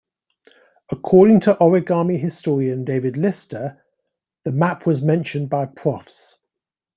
According to origami historian David Lister, the map was mentioned by Profs.